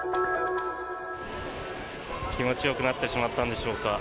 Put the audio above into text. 気持ちよくなってしまったんでしょうか。